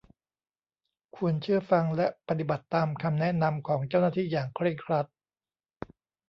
ควรเชื่อฟังและปฏิบัติตามคำแนะนำของเจ้าหน้าที่อย่างเคร่งครัด